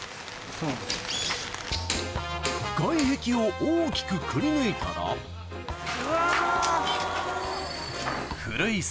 外壁を大きくくりぬいたらうわ。